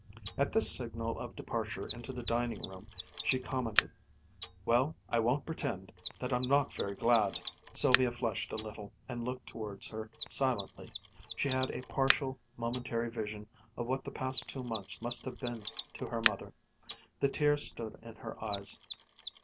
At this signal of departure into the dining room she commented, "Well, I won't pretend that I'm not very glad." Sylvia flushed a little and looked towards her silently. She had a partial, momentary vision of what the past two months must have been to her mother. The tears stood in her eyes.